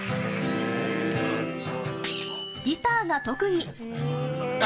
ギターが特技。